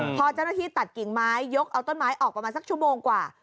พอเจ้าหน้าที่ตัดกิ่งไม้ยกเอาต้นไม้ออกประมาณสักชั่วโมงกว่า